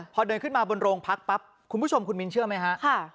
พอเดินขึ้นมาบนโรงพักปั๊บคุณผู้ชมคุณมิ้นเชื่อไหมฮะ